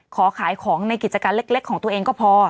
ขอขายของในกิจการเล็กของตัวเองก็พอ